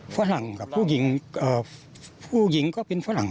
ฝรั่งครับผู้หญิงผู้หญิงก็เป็นฝรั่ง